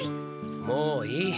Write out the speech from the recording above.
もういい。